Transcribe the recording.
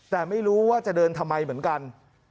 แต่ไม่รู้ว่าจะเดินทำไมเหมือนกัน